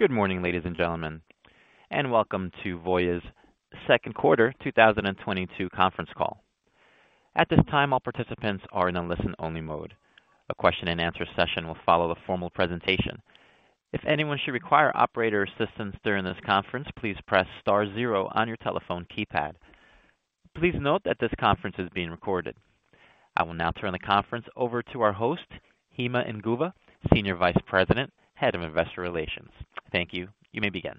Good morning, ladies and gentlemen, and welcome to Voya's second quarter 2022 conference call. At this time, all participants are in a listen-only mode. A question and answer session will follow the formal presentation. If anyone should require operator assistance during this conference, please press star zero on your telephone keypad. Please note that this conference is being recorded. I will now turn the conference over to our host, Hima Inguva, Senior Vice President, Head of Investor Relations. Thank you. You may begin.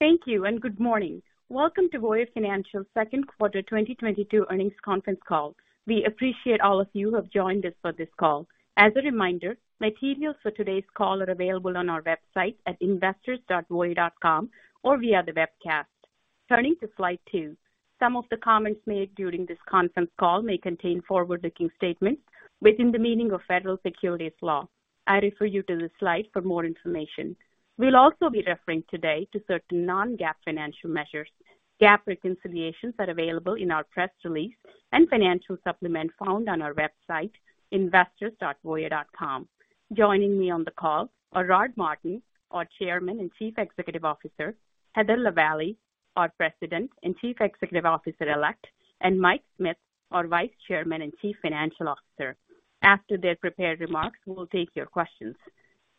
Thank you and good morning. Welcome to Voya Financial's second quarter 2022 earnings conference call. We appreciate all of you who have joined us for this call. As a reminder, materials for today's call are available on our website at investors.voya.com or via the webcast. Turning to slide two. Some of the comments made during this conference call may contain forward-looking statements within the meaning of federal securities law. I refer you to the slide for more information. We'll also be referring today to certain non-GAAP financial measures. GAAP reconciliations are available in our press release and financial supplement found on our website, investors.voya.com. Joining me on the call are Rod Martin, our Chairman and Chief Executive Officer, Heather Lavallee, our President and Chief Executive Officer-elect, and Mike Smith, our Vice Chairman and Chief Financial Officer. After their prepared remarks, we will take your questions.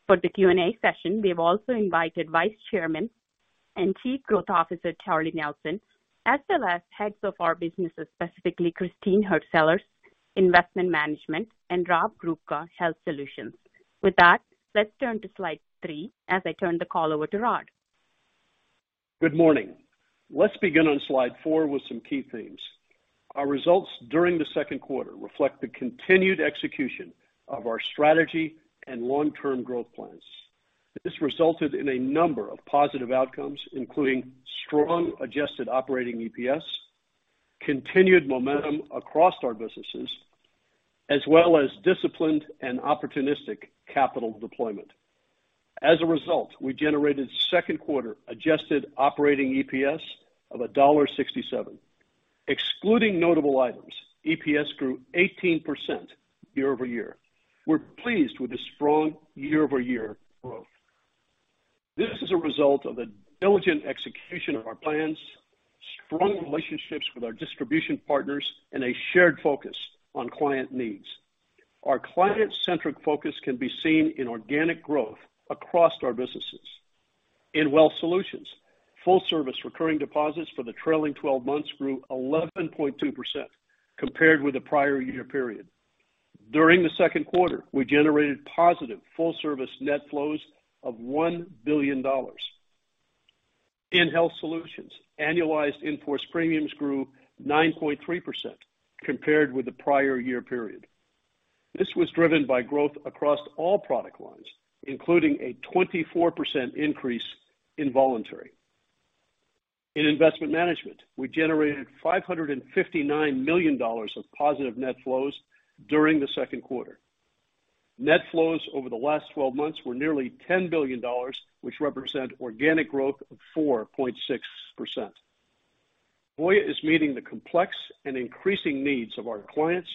For the Q&A session, we have also invited Vice Chairman and Chief Growth Officer, Charlie Nelson, as well as heads of our businesses, specifically Christine Hurtsellers, Investment Management, and Rob Grubka, Health Solutions. With that, let's turn to slide three as I turn the call over to Rod. Good morning. Let's begin on slide four with some key themes. Our results during the second quarter reflect the continued execution of our strategy and long-term growth plans. This resulted in a number of positive outcomes, including strong adjusted operating EPS, continued momentum across our businesses, as well as disciplined and opportunistic capital deployment. As a result, we generated second quarter adjusted operating EPS of $1.67. Excluding notable items, EPS grew 18% year-over-year. We're pleased with this strong year-over-year growth. This is a result of the diligent execution of our plans, strong relationships with our distribution partners, and a shared focus on client needs. Our client-centric focus can be seen in organic growth across our businesses. In Wealth Solutions, full-service recurring deposits for the trailing 12 months grew 11.2% compared with the prior year period. During the second quarter, we generated positive full service net flows of $1 billion. In Health Solutions, annualized in-force premiums grew 9.3% compared with the prior year period. This was driven by growth across all product lines, including a 24% increase in voluntary. In Investment Management, we generated $559 million of positive net flows during the second quarter. Net flows over the last 12 months were nearly $10 billion, which represent organic growth of 4.6%. Voya is meeting the complex and increasing needs of our clients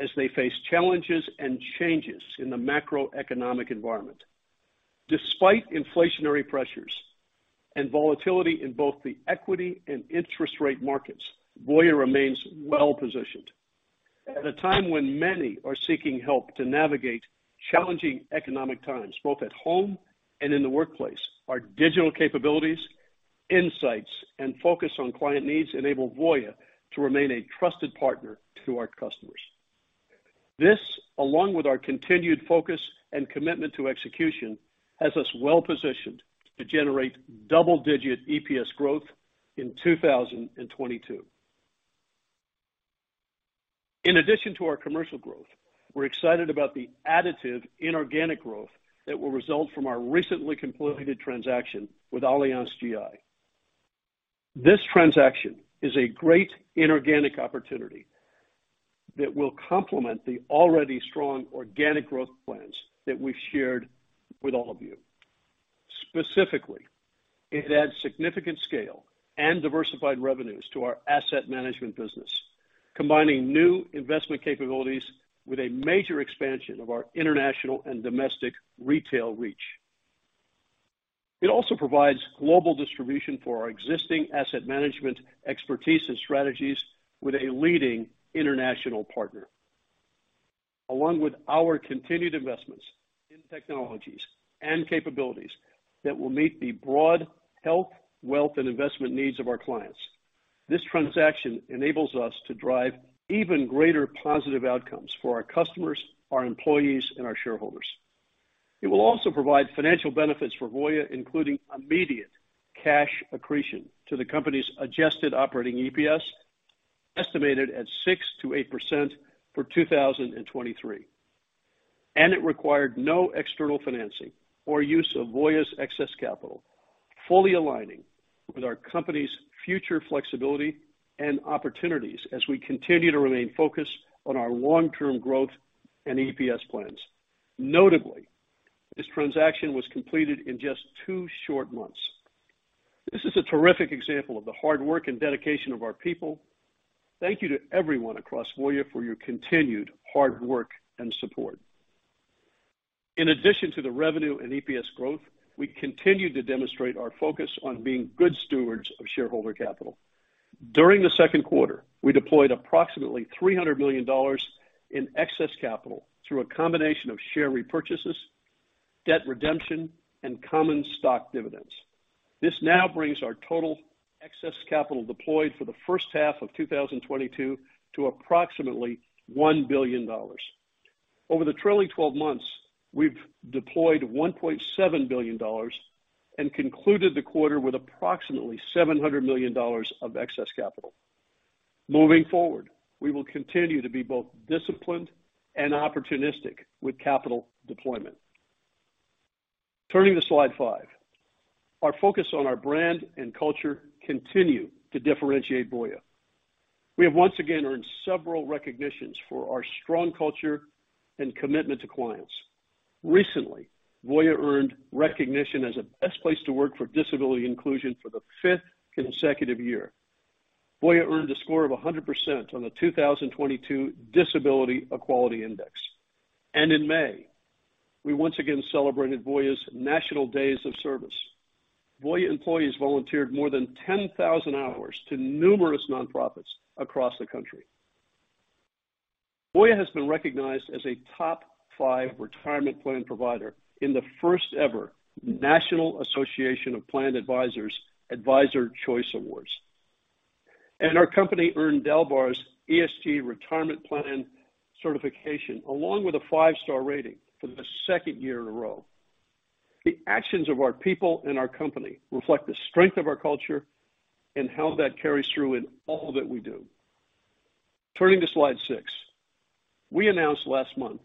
as they face challenges and changes in the macroeconomic environment. Despite inflationary pressures and volatility in both the equity and interest rate markets, Voya remains well-positioned. At a time when many are seeking help to navigate challenging economic times, both at home and in the workplace, our digital capabilities, insights, and focus on client needs enable Voya to remain a trusted partner to our customers. This, along with our continued focus and commitment to execution, has us well-positioned to generate double-digit EPS growth in 2022. In addition to our commercial growth, we're excited about the additive inorganic growth that will result from our recently completed transaction with AllianzGI. This transaction is a great inorganic opportunity that will complement the already strong organic growth plans that we've shared with all of you. Specifically, it adds significant scale and diversified revenues to our Asset Management business, combining new investment capabilities with a major expansion of our international and domestic retail reach. It also provides global distribution for our existing asset management expertise and strategies with a leading international partner. Along with our continued investments in technologies and capabilities that will meet the broad health, wealth, and investment needs of our clients, this transaction enables us to drive even greater positive outcomes for our customers, our employees, and our shareholders. It will also provide financial benefits for Voya, including immediate cash accretion to the company's adjusted operating EPS, estimated at 6%-8% for 2023. It required no external financing or use of Voya's excess capital, fully aligning with our company's future flexibility and opportunities as we continue to remain focused on our long-term growth and EPS plans. Notably, this transaction was completed in just two short months. This is a terrific example of the hard work and dedication of our people. Thank you to everyone across Voya for your continued hard work and support. In addition to the revenue and EPS growth, we continue to demonstrate our focus on being good stewards of shareholder capital. During the second quarter, we deployed approximately $300 million in excess capital through a combination of share repurchases, debt redemption, and common stock dividends. This now brings our total excess capital deployed for the first half of 2022 to approximately $1 billion. Over the trailing 12 months, we've deployed $1.7 billion and concluded the quarter with approximately $700 million of excess capital. Moving forward, we will continue to be both disciplined and opportunistic with capital deployment. Turning to slide five. Our focus on our brand and culture continue to differentiate Voya. We have once again earned several recognitions for our strong culture and commitment to clients. Recently, Voya earned recognition as a best place to work for disability inclusion for the fifth consecutive year. Voya earned a score of 100% on the 2022 Disability Equality Index. In May, we once again celebrated Voya's National Days of Service. Voya employees volunteered more than 10,000 hours to numerous nonprofits across the country. Voya has been recognized as a top five retirement plan provider in the first ever National Association of Plan Advisors Advisors' Choice Awards. Our company earned DALBAR's ESG Retirement Plan Certification, along with a five-star rating for the second year in a row. The actions of our people and our company reflect the strength of our culture and how that carries through in all that we do. Turning to slide six. We announced last month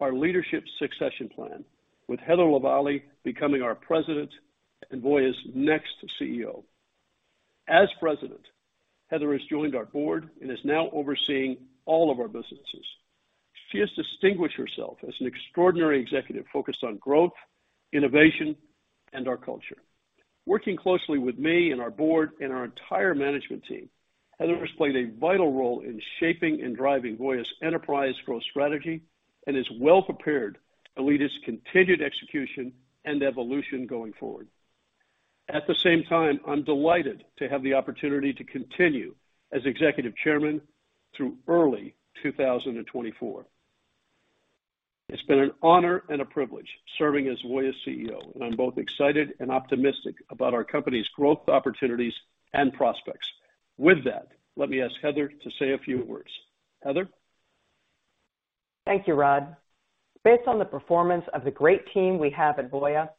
our leadership succession plan with Heather Lavallee becoming our President and Voya's next CEO. As President, Heather has joined our board and is now overseeing all of our businesses. She has distinguished herself as an extraordinary executive focused on growth, innovation, and our culture. Working closely with me and our board and our entire management team, Heather has played a vital role in shaping and driving Voya's enterprise growth strategy and is well prepared to lead us continued execution and evolution going forward. At the same time, I'm delighted to have the opportunity to continue as Executive Chairman through early 2024. It's been an honor and a privilege serving as Voya's CEO, and I'm both excited and optimistic about our company's growth opportunities and prospects. With that, let me ask Heather to say a few words. Heather? Thank you, Rod. Based on the performance of the great team we have at Voya,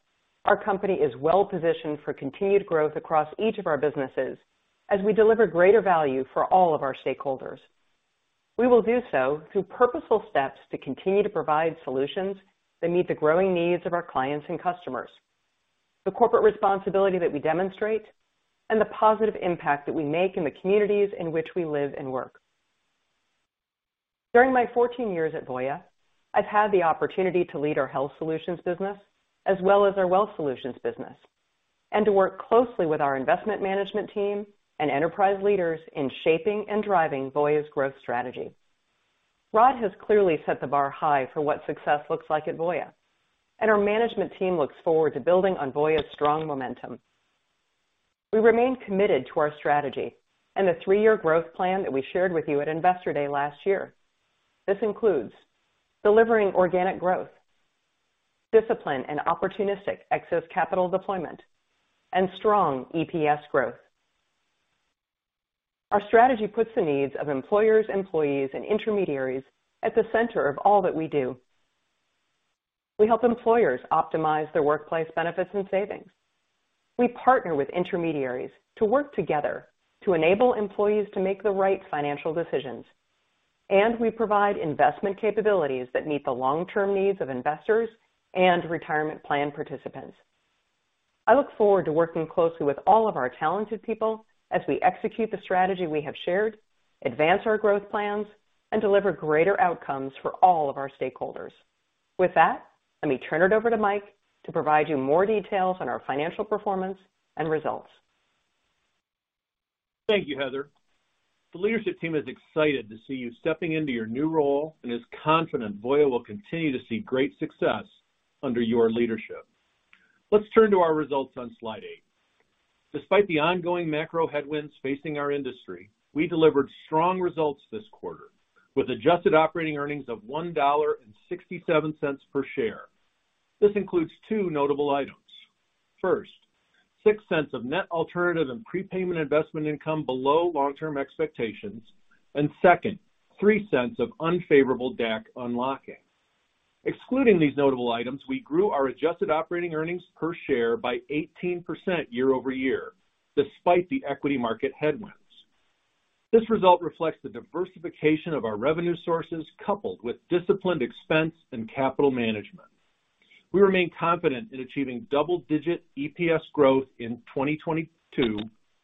our company is well positioned for continued growth across each of our businesses as we deliver greater value for all of our stakeholders. We will do so through purposeful steps to continue to provide solutions that meet the growing needs of our clients and customers, the corporate responsibility that we demonstrate, and the positive impact that we make in the communities in which we live and work. During my 14 years at Voya, I've had the opportunity to lead our Health Solutions business as well as our Wealth Solutions business, and to work closely with our Investment Management team and enterprise leaders in shaping and driving Voya's growth strategy. Rod has clearly set the bar high for what success looks like at Voya, and our management team looks forward to building on Voya's strong momentum. We remain committed to our strategy and the three-year growth plan that we shared with you at Investor Day last year. This includes delivering organic growth, discipline and opportunistic excess capital deployment, and strong EPS growth. Our strategy puts the needs of employers, employees, and intermediaries at the center of all that we do. We help employers optimize their workplace benefits and savings. We partner with intermediaries to work together to enable employees to make the right financial decisions, and we provide investment capabilities that meet the long-term needs of investors and retirement plan participants. I look forward to working closely with all of our talented people as we execute the strategy we have shared, advance our growth plans, and deliver greater outcomes for all of our stakeholders. With that, let me turn it over to Mike to provide you more details on our financial performance and results. Thank you, Heather. The leadership team is excited to see you stepping into your new role and is confident Voya will continue to see great success under your leadership. Let's turn to our results on slide eight. Despite the ongoing macro headwinds facing our industry, we delivered strong results this quarter with adjusted operating earnings of $1.67 per share. This includes two notable items. First, $0.06 of net alternative and prepayment investment income below long-term expectations. Second, $0.03 of unfavorable DAC unlocking. Excluding these notable items, we grew our adjusted operating earnings per share by 18% year-over-year, despite the equity market headwinds. This result reflects the diversification of our revenue sources, coupled with disciplined expense and capital management. We remain confident in achieving double-digit EPS growth in 2022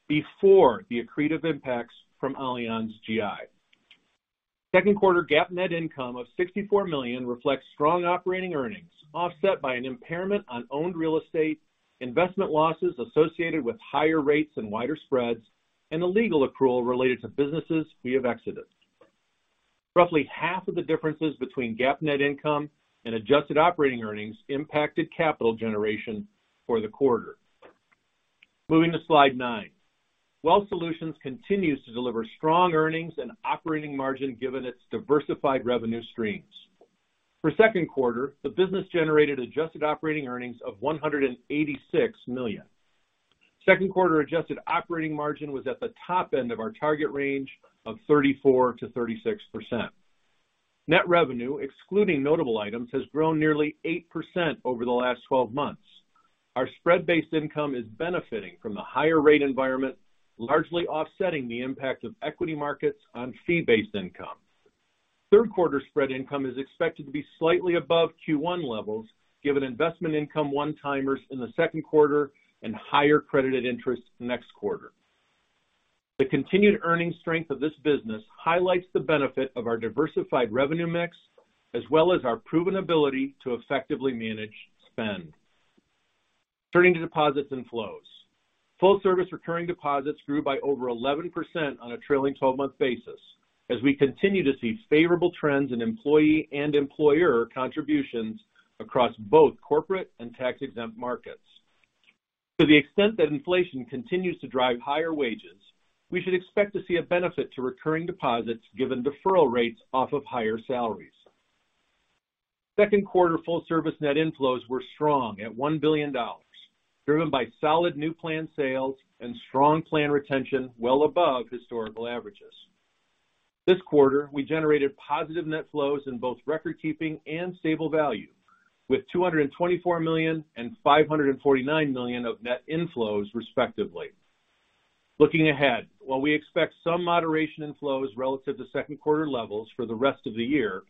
before the accretive impacts from AllianzGI. Second quarter GAAP net income of $64 million reflects strong operating earnings offset by an impairment on owned real estate, investment losses associated with higher rates and wider spreads, and a legal accrual related to businesses we have exited. Roughly half of the differences between GAAP net income and adjusted operating earnings impacted capital generation for the quarter. Moving to slide nine. Wealth Solutions continues to deliver strong earnings and operating margin given its diversified revenue streams. For second quarter, the business generated adjusted operating earnings of $186 million. Second quarter adjusted operating margin was at the top end of our target range of 34%-36%. Net revenue, excluding notable items, has grown nearly 8% over the last 12 months. Our spread-based income is benefiting from the higher rate environment, largely offsetting the impact of equity markets on fee-based income. Third quarter spread income is expected to be slightly above Q1 levels given investment income one-timers in the second quarter and higher credited interest next quarter. The continued earnings strength of this business highlights the benefit of our diversified revenue mix, as well as our proven ability to effectively manage spend. Turning to deposits and flows. Full-service recurring deposits grew by over 11% on a trailing 12-month basis as we continue to see favorable trends in employee and employer contributions across both corporate and tax-exempt markets. To the extent that inflation continues to drive higher wages, we should expect to see a benefit to recurring deposits given deferral rates off of higher salaries. Second quarter full-service net inflows were strong at $1 billion, driven by solid new plan sales and strong plan retention well above historical averages. This quarter, we generated positive net flows in both recordkeeping and stable value, with $224 million and $549 million of net inflows, respectively. Looking ahead, while we expect some moderation in flows relative to second quarter levels for the rest of the year,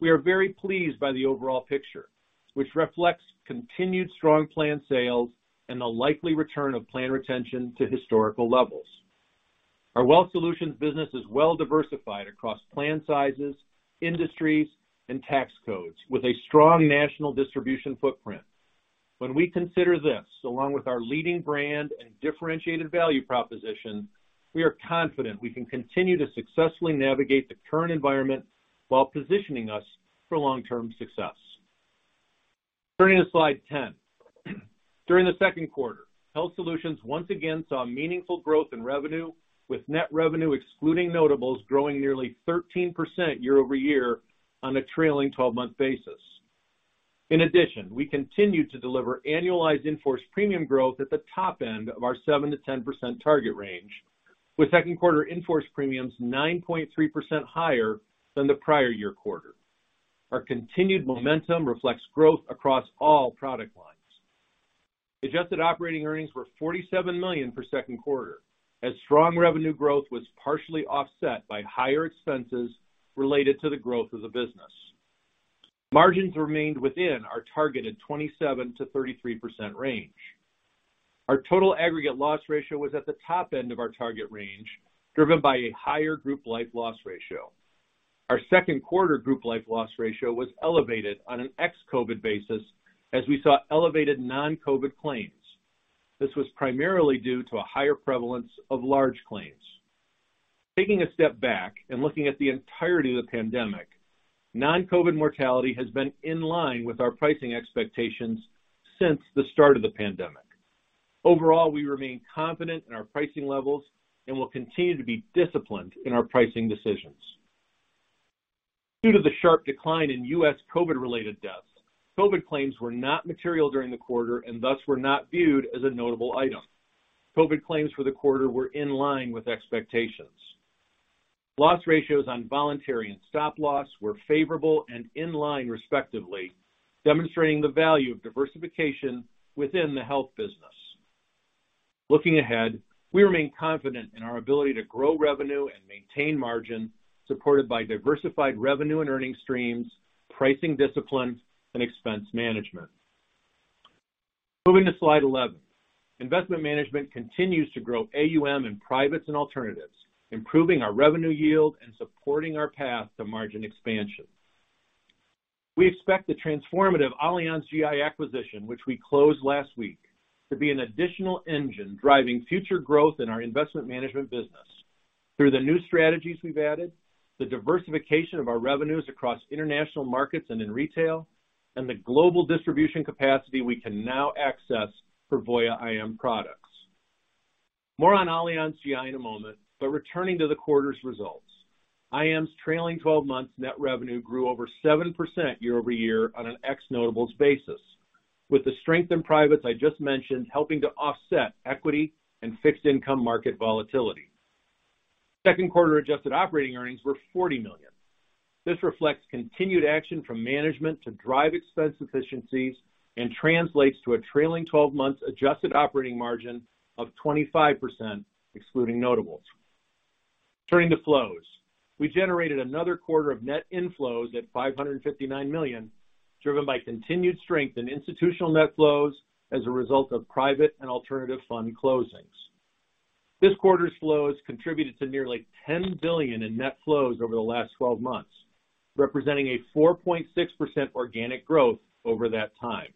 we are very pleased by the overall picture, which reflects continued strong plan sales and the likely return of plan retention to historical levels. Our Wealth Solutions business is well-diversified across plan sizes, industries, and tax codes with a strong national distribution footprint. When we consider this, along with our leading brand and differentiated value proposition, we are confident we can continue to successfully navigate the current environment while positioning us for long-term success. Turning to slide 10. During the second quarter, Health Solutions once again saw meaningful growth in revenue, with net revenue excluding notables growing nearly 13% year-over-year on a trailing 12-month basis. In addition, we continued to deliver annualized in-force premium growth at the top end of our 7%-10% target range, with second quarter in-force premiums 9.3% higher than the prior year quarter. Our continued momentum reflects growth across all product lines. Adjusted operating earnings were $47 million for second quarter, as strong revenue growth was partially offset by higher expenses related to the growth of the business. Margins remained within our targeted 27%-33% range. Our total aggregate loss ratio was at the top end of our target range, driven by a higher group life loss ratio. Our second quarter group life loss ratio was elevated on an ex-COVID basis as we saw elevated non-COVID claims. This was primarily due to a higher prevalence of large claims. Taking a step back and looking at the entirety of the pandemic, non-COVID mortality has been in line with our pricing expectations since the start of the pandemic. Overall, we remain confident in our pricing levels and will continue to be disciplined in our pricing decisions. Due to the sharp decline in U.S. COVID-related deaths, COVID claims were not material during the quarter and thus were not viewed as a notable item. COVID claims for the quarter were in line with expectations. Loss ratios on Voluntary and Stop Loss were favorable and in line respectively, demonstrating the value of diversification within the Health business. Looking ahead, we remain confident in our ability to grow revenue and maintain margin, supported by diversified revenue and earning streams, pricing discipline, and expense management. Moving to slide 11. Investment Management continues to grow AUM in privates and alternatives, improving our revenue yield and supporting our path to margin expansion. We expect the transformative AllianzGI acquisition, which we closed last week, to be an additional engine driving future growth in our Investment Management business through the new strategies we've added, the diversification of our revenues across international markets and in retail, and the global distribution capacity we can now access for Voya IM products. More on AllianzGI in a moment, but returning to the quarter's results. IM's trailing 12 months net revenue grew over 7% year-over-year on an ex-notables basis, with the strength in privates I just mentioned helping to offset equity and fixed income market volatility. Second quarter adjusted operating earnings were $40 million. This reflects continued action from management to drive expense efficiencies and translates to a trailing 12 months adjusted operating margin of 25% excluding notables. Turning to flows. We generated another quarter of net inflows at $559 million, driven by continued strength in institutional net flows as a result of private and alternative fund closings. This quarter's flows contributed to nearly $10 billion in net flows over the last 12 months, representing a 4.6% organic growth over that time.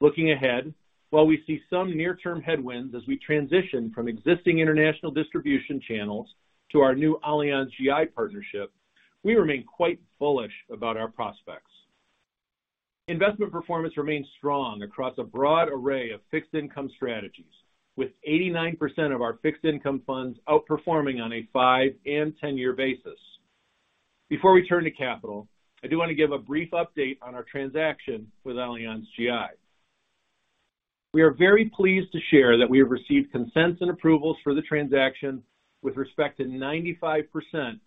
Looking ahead, while we see some near-term headwinds as we transition from existing international distribution channels to our new AllianzGI partnership, we remain quite bullish about our prospects. Investment performance remains strong across a broad array of fixed income strategies, with 89% of our fixed income funds outperforming on a five- and 10-year basis. Before we turn to capital, I do want to give a brief update on our transaction with AllianzGI. We are very pleased to share that we have received consents and approvals for the transaction with respect to 95%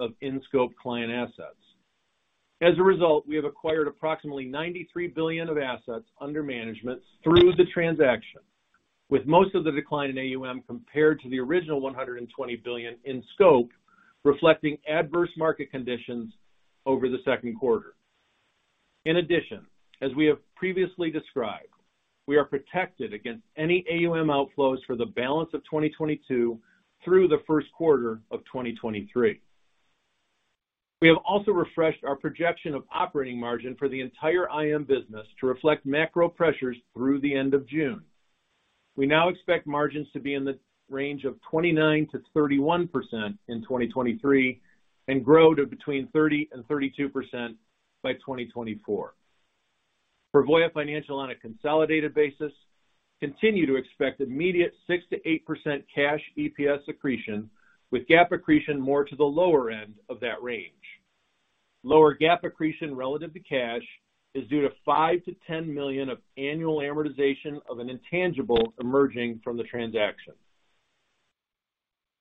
of in-scope client assets. As a result, we have acquired approximately $93 billion of assets under management through the transaction, with most of the decline in AUM compared to the original $120 billion in scope, reflecting adverse market conditions over the second quarter. In addition, as we have previously described, we are protected against any AUM outflows for the balance of 2022 through the first quarter of 2023. We have also refreshed our projection of operating margin for the entire IM business to reflect macro pressures through the end of June. We now expect margins to be in the range of 29%-31% in 2023 and grow to between 30%-32% by 2024. For Voya Financial on a consolidated basis, continue to expect immediate 6%-8% cash EPS accretion, with GAAP accretion more to the lower end of that range. Lower GAAP accretion relative to cash is due to $5 million-$10 million of annual amortization of an intangible emerging from the transaction.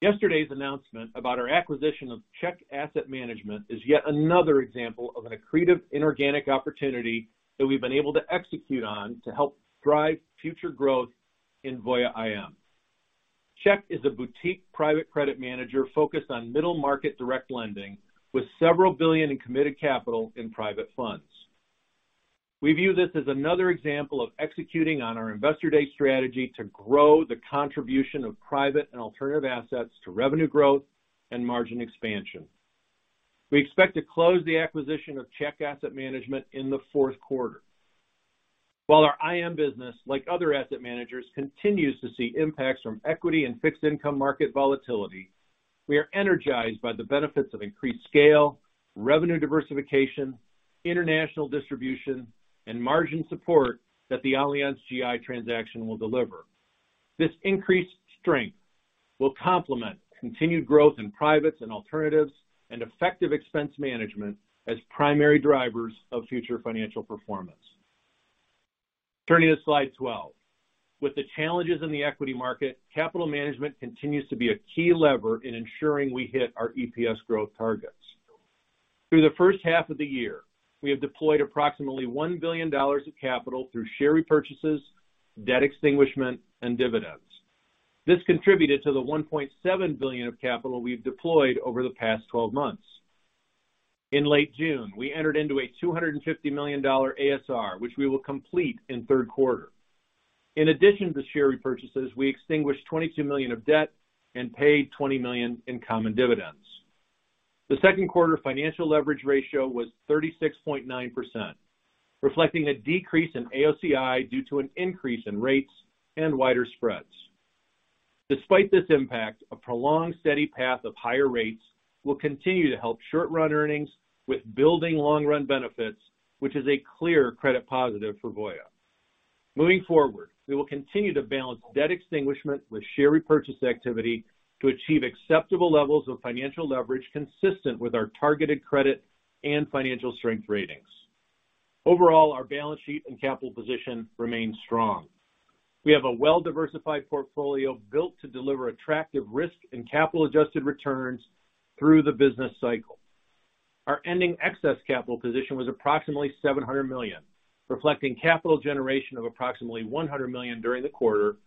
Yesterday's announcement about our acquisition of Czech Asset Management is yet another example of an accretive inorganic opportunity that we've been able to execute on to help drive future growth in Voya IM. Czech Asset Management is a boutique private credit manager focused on middle market direct lending with several billion in committed capital in private funds. We view this as another example of executing on our Investor Day strategy to grow the contribution of private and alternative assets to revenue growth and margin expansion. We expect to close the acquisition of Czech Asset Management in the fourth quarter. While our IM business, like other asset managers, continues to see impacts from equity and fixed income market volatility, we are energized by the benefits of increased scale, revenue diversification, international distribution, and margin support that the AllianzGI transaction will deliver. This increased strength will complement continued growth in privates and alternatives and effective expense management as primary drivers of future financial performance. Turning to slide 12. With the challenges in the equity market, capital management continues to be a key lever in ensuring we hit our EPS growth targets. Through the first half of the year, we have deployed approximately $1 billion of capital through share repurchases, debt extinguishment, and dividends. This contributed to the $1.7 billion of capital we've deployed over the past 12 months. In late June, we entered into a $250 million ASR, which we will complete in third quarter. In addition to share repurchases, we extinguished $22 million of debt and paid $20 million in common dividends. The second quarter financial leverage ratio was 36.9%, reflecting a decrease in AOCI due to an increase in rates and wider spreads. Despite this impact, a prolonged steady path of higher rates will continue to help short-run earnings with building long-run benefits, which is a clear credit positive for Voya. Moving forward, we will continue to balance debt extinguishment with share repurchase activity to achieve acceptable levels of financial leverage consistent with our targeted credit and financial strength ratings. Overall, our balance sheet and capital position remain strong. We have a well-diversified portfolio built to deliver attractive risk and capital-adjusted returns through the business cycle. Our ending excess capital position was approximately $700 million, reflecting capital generation of approximately $100 million during the quarter,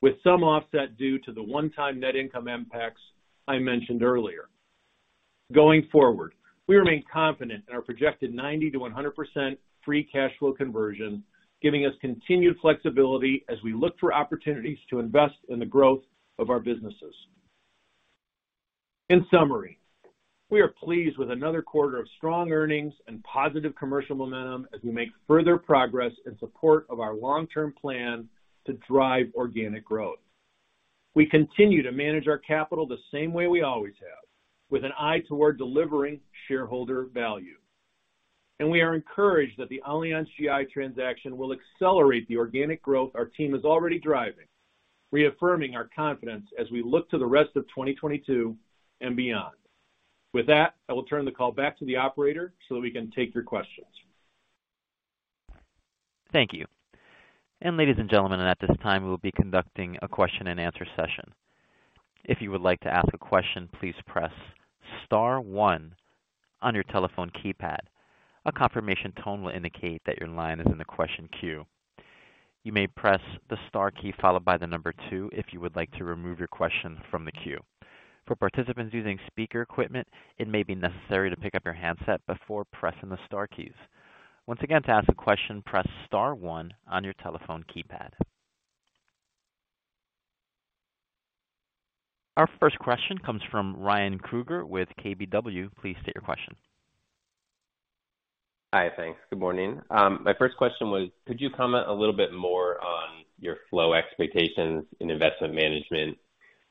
with some offset due to the one-time net income impacts I mentioned earlier. Going forward, we remain confident in our projected 90%-100% free cash flow conversion, giving us continued flexibility as we look for opportunities to invest in the growth of our businesses. In summary, we are pleased with another quarter of strong earnings and positive commercial momentum as we make further progress in support of our long-term plan to drive organic growth. We continue to manage our capital the same way we always have, with an eye toward delivering shareholder value. We are encouraged that the AllianzGI transaction will accelerate the organic growth our team is already driving, reaffirming our confidence as we look to the rest of 2022 and beyond. With that, I will turn the call back to the operator so we can take your questions. Thank you. Ladies and gentlemen, at this time, we'll be conducting a question-and-answer session. If you would like to ask a question, please press star one on your telephone keypad. A confirmation tone will indicate that your line is in the question queue. You may press the star key followed by the number two if you would like to remove your question from the queue. For participants using speaker equipment, it may be necessary to pick up your handset before pressing the star keys. Once again, to ask a question, press star one on your telephone keypad. Our first question comes from Ryan Krueger with KBW. Please state your question. Hi. Thanks. Good morning. My first question was, could you comment a little bit more on your flow expectations in Investment Management,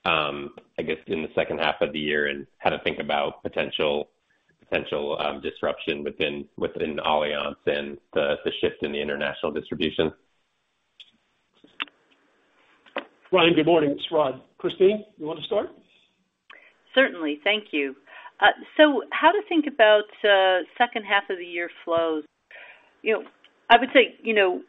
I guess in the second half of the year, and how to think about potential disruption within Allianz and the shift in the international distribution? Ryan, good morning. It's Rod. Christine, you wanna start? Certainly. Thank you. How to think about second half of the year flows. You know, I would say, you know,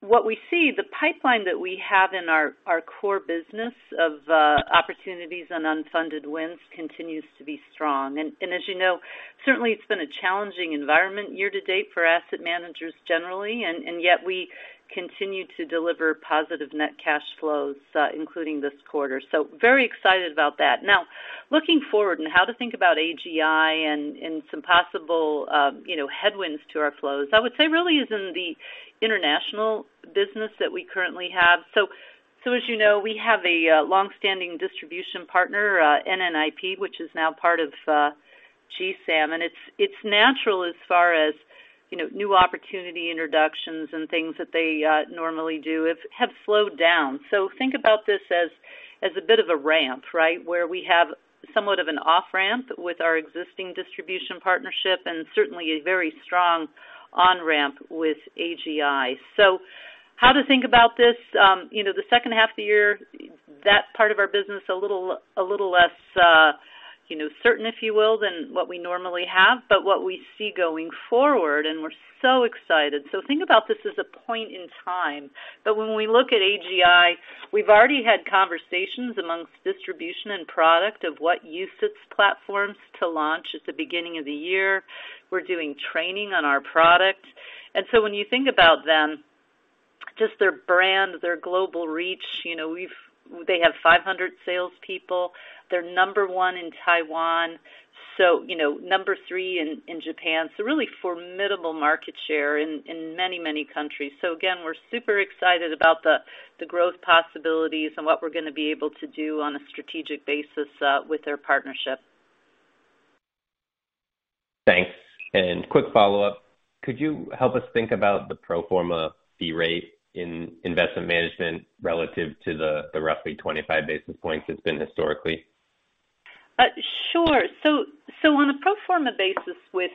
what we see, the pipeline that we have in our core business of opportunities and unfunded wins continues to be strong. And as you know, certainly it's been a challenging environment year-to-date for asset managers generally, and yet we continue to deliver positive net cash flows, including this quarter. Very excited about that. Now, looking forward and how to think about AGI and some possible, you know, headwinds to our flows, I would say really is in the international business that we currently have. As you know, we have a long-standing distribution partner, NNIP, which is now part of GSAM. It's natural as far as, you know, new opportunity introductions and things that they normally do have slowed down. Think about this as a bit of a ramp, right? Where we have somewhat of an off ramp with our existing distribution partnership and certainly a very strong on-ramp with AGI. How to think about this, you know, the second half of the year, that part of our business, a little less, you know, certain, if you will, than what we normally have. What we see going forward, and we're so excited. Think about this as a point in time. When we look at AGI, we've already had conversations amongst distribution and product of what we use platforms to launch at the beginning of the year. We're doing training on our product. When you think about them, just their brand, their global reach, you know, they have 500 salespeople. They're number one in Taiwan, so, you know, number three in Japan. Really formidable market share in many countries. Again, we're super excited about the growth possibilities and what we're gonna be able to do on a strategic basis with their partnership. Thanks. Quick follow-up. Could you help us think about the pro forma fee rate in Investment Management relative to the roughly 25 basis points it's been historically? Sure. On a pro forma basis with,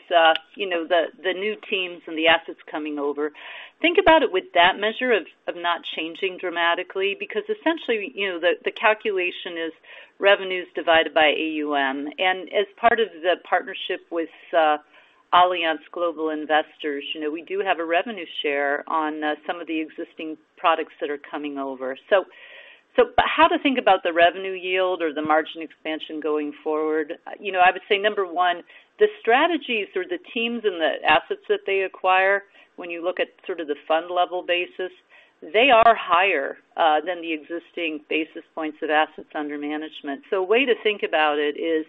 you know, the new teams and the assets coming over, think about it with that measure of not changing dramatically. Because essentially, you know, the calculation is revenues divided by AUM. As part of the partnership with Allianz Global Investors, you know, we do have a revenue share on some of the existing products that are coming over. How to think about the revenue yield or the margin expansion going forward. You know, I would say number one, the strategies or the teams and the assets that they acquire, when you look at sort of the fund level basis, they are higher than the existing basis points of assets under management. A way to think about it is,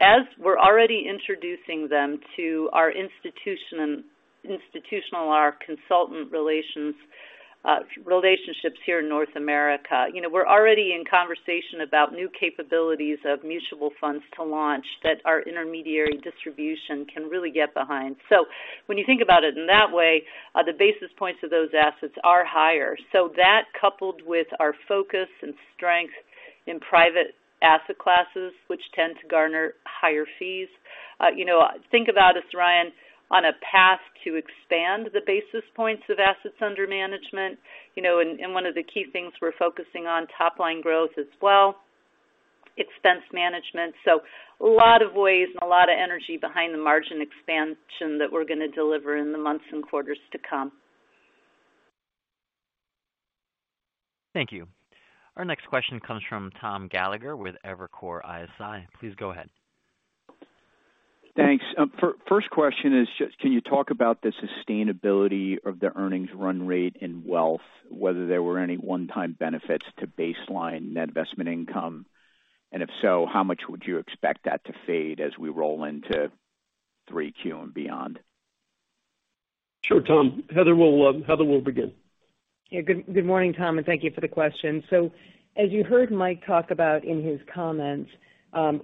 as we're already introducing them to our institutional, our consultant relations, relationships here in North America, you know, we're already in conversation about new capabilities of mutual funds to launch that our intermediary distribution can really get behind. When you think about it in that way, the basis points of those assets are higher. That coupled with our focus and strength in private asset classes, which tend to garner higher fees, you know, think about us, Ryan, on a path to expand the basis points of assets under management, you know, and one of the key things we're focusing on top line growth as well, expense management. A lot of ways and a lot of energy behind the margin expansion that we're gonna deliver in the months and quarters to come. Thank you. Our next question comes from Tom Gallagher with Evercore ISI. Please go ahead. Thanks. First question is just can you talk about the sustainability of the earnings run rate in wealth, whether there were any one-time benefits to baseline net investment income? If so, how much would you expect that to fade as we roll into 3Q and beyond? Sure, Tom. Heather will begin. Yeah. Good morning, Tom, and thank you for the question. As you heard Mike talk about in his comments,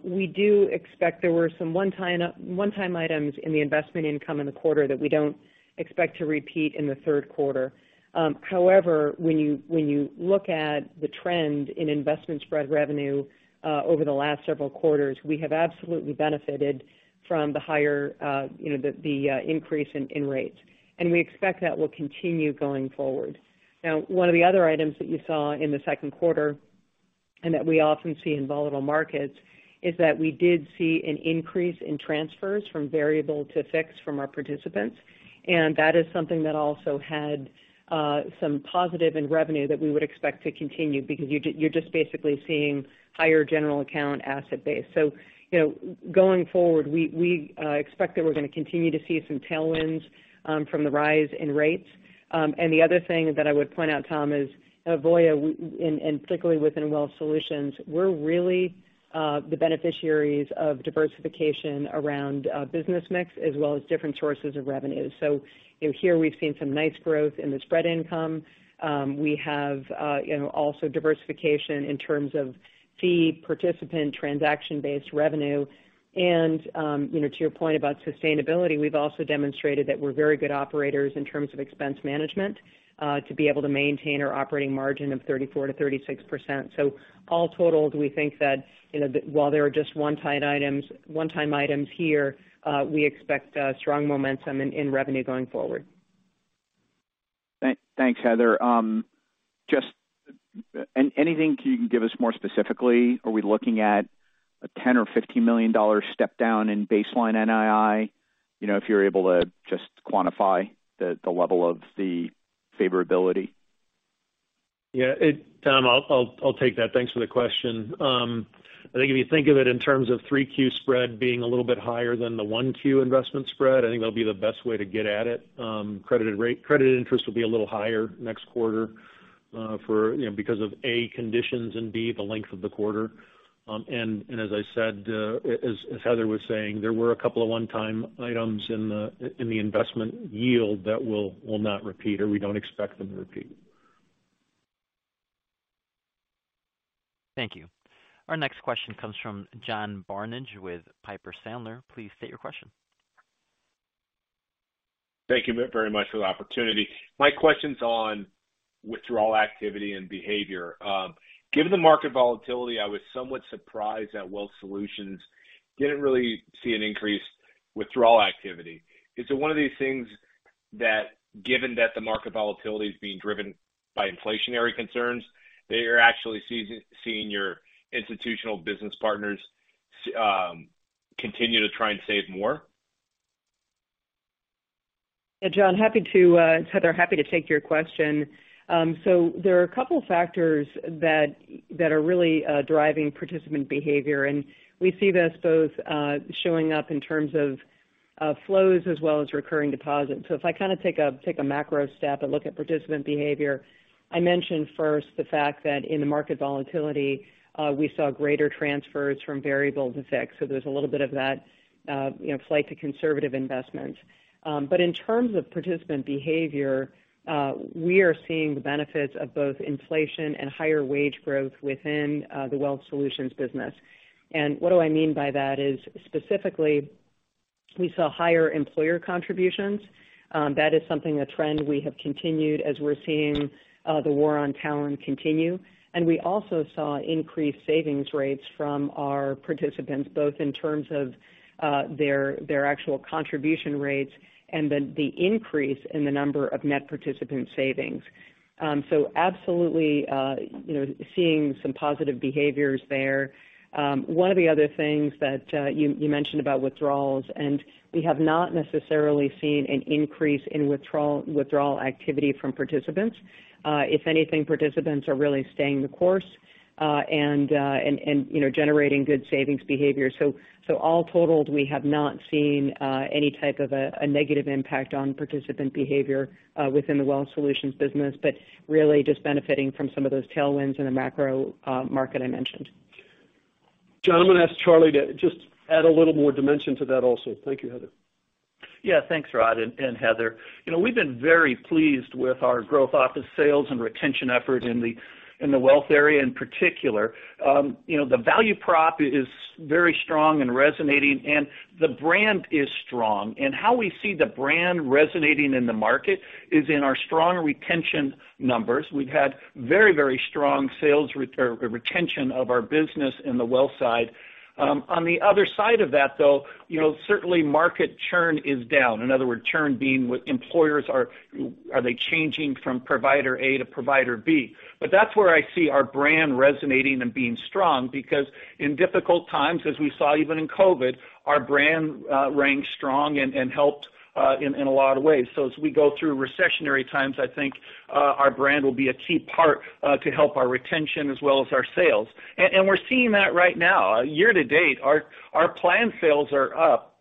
we do expect there were some one-time items in the investment income in the quarter that we don't expect to repeat in the third quarter. However, when you look at the trend in investment spread revenue over the last several quarters, we have absolutely benefited from the higher, you know, the increase in rates, and we expect that will continue going forward. Now, one of the other items that you saw in the second quarter, and that we often see in volatile markets, is that we did see an increase in transfers from variable to fixed from our participants. That is something that also had some positive in revenue that we would expect to continue because you're just basically seeing higher general account asset base. You know, going forward, we expect that we're gonna continue to see some tailwinds from the rise in rates. The other thing that I would point out, Tom. Is at Voya, and particularly within Wealth Solutions, we're really the beneficiaries of diversification around business mix as well as different sources of revenue. You know, here we've seen some nice growth in the spread income. We have you know also diversification in terms of fee participant transaction-based revenue. You know, to your point about sustainability, we've also demonstrated that we're very good operators in terms of expense management to be able to maintain our operating margin of 34%-36%. All totaled, we think that you know while there are just one-time items here, we expect strong momentum in revenue going forward. Thanks, Heather. Just anything you can give us more specifically? Are we looking at a $10 million or $15 million step down in baseline NII? You know, if you're able to just quantify the level of the favorability? Tom, I'll take that. Thanks for the question. I think if you think of it in terms of 3Q spread being a little bit higher than the 1Q investment spread, I think that'll be the best way to get at it. Credited interest will be a little higher next quarter, for you know, because of A, conditions and B, the length of the quarter. As I said, as Heather was saying, there were a couple of one-time items in the investment yield that will not repeat, or we don't expect them to repeat. Thank you. Our next question comes from John Barnidge with Piper Sandler. Please state your question. Thank you very much for the opportunity. My question's on withdrawal activity and behavior. Given the market volatility, I was somewhat surprised that Wealth Solutions didn't really see an increased withdrawal activity. Is it one of these things that given that the market volatility is being driven by inflationary concerns, that you're actually seeing your institutional business partners continue to try and save more? Yeah, John, happy to. It's Heather. Happy to take your question. There are a couple factors that are really driving participant behavior, and we see this both showing up in terms of flows as well as recurring deposits. If I kind of take a macro step and look at participant behavior, I mentioned first the fact that in the market volatility, we saw greater transfers from variable to fixed. There's a little bit of that, you know, flight to conservative investments. In terms of participant behavior, we are seeing the benefits of both inflation and higher wage growth within the Wealth Solutions business. What do I mean by that is, specifically, we saw higher employer contributions. That is something, a trend we have continued as we're seeing the war on talent continue. We also saw increased savings rates from our participants, both in terms of their actual contribution rates and the increase in the number of net participant savings. Absolutely, you know, seeing some positive behaviors there. One of the other things that you mentioned about withdrawals, and we have not necessarily seen an increase in withdrawal activity from participants. If anything, participants are really staying the course, and you know, generating good savings behavior. All totaled, we have not seen any type of a negative impact on participant behavior within the Wealth Solutions business, but really just benefiting from some of those tailwinds in the macro market I mentioned. John, I'm gonna ask Charlie to just add a little more dimension to that also. Thank you, Heather. Yeah. Thanks, Rod and Heather. You know, we've been very pleased with our growth of sales and retention effort in the wealth area in particular. You know, the value prop is very strong and resonating, and the brand is strong. How we see the brand resonating in the market is in our strong retention numbers. We've had very strong sales retention of our business in the Wealth side. On the other side of that, though, you know, certainly market churn is down. In other words, churn being employers are they changing from provider A to provider B? That's where I see our brand resonating and being strong because in difficult times, as we saw even in COVID, our brand rang strong and helped in a lot of ways. As we go through recessionary times, I think our brand will be a key part to help our retention as well as our sales. We're seeing that right now. Year-to-date, our plan sales are up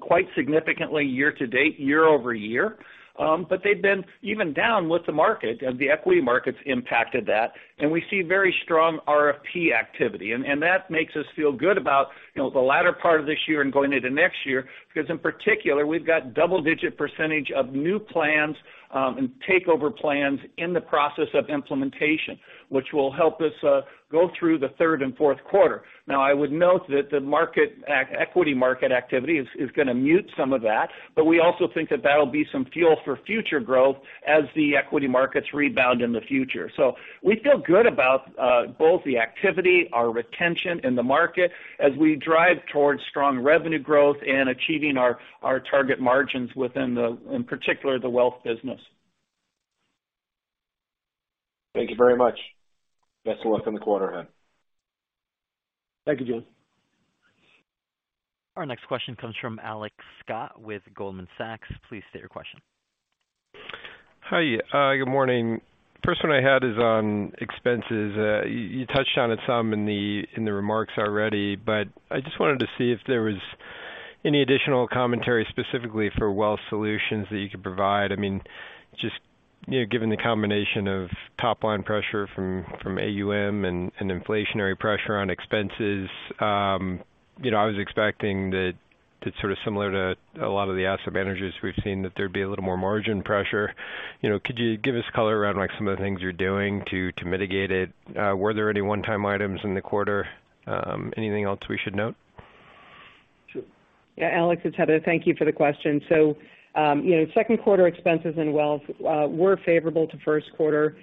quite significantly year-to-date, year over year. But they've been even down with the market, and the equity markets impacted that. We see very strong RFP activity. That makes us feel good about, you know, the latter part of this year and going into next year, because in particular, we've got double digit percentage of new plans and takeover plans in the process of implementation, which will help us go through the third and fourth quarter. Now, I would note that the market equity market activity is gonna mute some of that, but we also think that that'll be some fuel for future growth as the equity markets rebound in the future. We feel good about both the activity, our retention in the market as we drive towards strong revenue growth and achieving our target margins within the, in particular, the Wealth business. Thank you very much. Best of luck on the quarter ahead. Thank you, John. Our next question comes from Alex Scott with Goldman Sachs. Please state your question. Hi, good morning. First one I had is on expenses. You touched on it some in the remarks already, but I just wanted to see if there was any additional commentary specifically for Wealth Solutions that you could provide. I mean, just, you know, given the combination of top line pressure from AUM and inflationary pressure on expenses, you know, I was expecting that it's sort of similar to a lot of the asset managers we've seen that there'd be a little more margin pressure. You know, could you give us color around, like, some of the things you're doing to mitigate it? Were there any one-time items in the quarter? Anything else we should note? Sure. Yeah. Alex, it's Heather. Thank you for the question. You know, second quarter expenses in Wealth were favorable to first quarter,